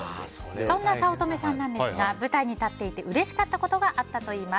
そんな早乙女さんなんですが舞台に立っていてうれしかったことがあったといいます。